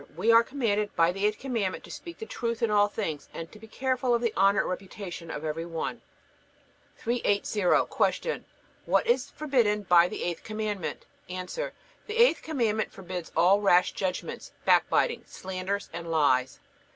We are commanded by the eighth Commandment to speak the truth in all things and to be careful of the honor and reputation of every one. 380. Q. What is forbidden by the eighth Commandment? A. The eighth Commandment forbids all rash judgments, backbiting, slanders, and lies.